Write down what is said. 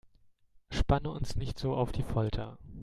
Spanne uns nicht so auf die Folter